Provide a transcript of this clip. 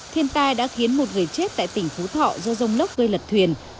thiên tai đã khiến một người chết tại tỉnh phú thọ do rông lốc gây lật thuyền